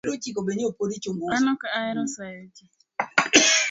An Ok ahero sayo jii